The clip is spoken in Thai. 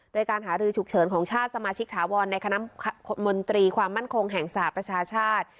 โดยการหารือฉุกเฉินของชาติสมาชิกถาวรในคณะมนตรีความมั่นคงแห่งสหประชาชาติ